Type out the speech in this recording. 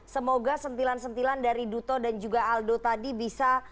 semoga sentilan sentilan dari duto dan juga aldo tadi bisa